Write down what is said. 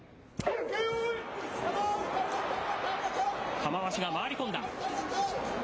玉鷲が回り込んだ。